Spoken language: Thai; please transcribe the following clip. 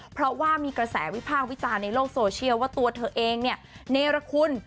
เพราะว่ามีกระแสวิพากษ์วิจารณ์ในโลกโซเชียลว่าตัวเธอเองเนี่ยเนรคุณ